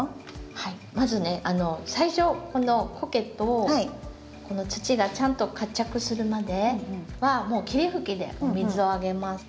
はいまずね最初このコケと土がちゃんと活着するまではもう霧吹きでお水をあげます。